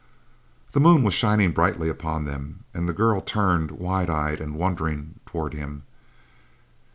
The moon was shining brightly upon them, and the girl turned, wide eyed and wondering, toward him.